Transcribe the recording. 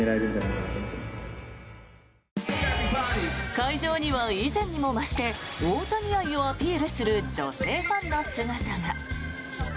会場には以前にも増して大谷愛をアピールする女性ファンの姿が。